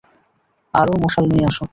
আরোও মশাল নিয়ে আসো!